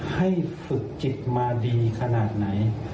ให้ฝึกจิตมาดีขนาดไหน